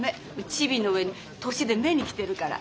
チビの上に年で目に来てるから。